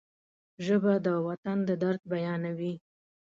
ژبه د وطن د درد بیانوي